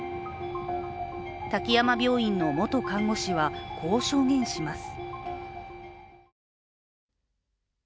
滝山病院の元看護師は、こう証言します。